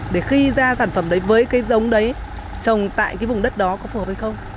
để khi ra sản phẩm đấy với cái giống đấy trồng tại cái vùng đất đó có phù hợp hay không